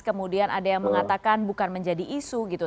kemudian ada yang mengatakan bukan menjadi isu gitu